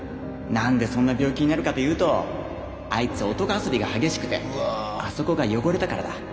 何でそんな病気になるかというとあいつ男遊びが激しくてあそこが汚れたからだ。